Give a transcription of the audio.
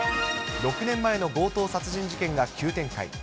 ６年前の強盗殺人事件が急展開。